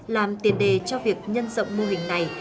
làm tiền đề cho việc nhân rộng mô hình này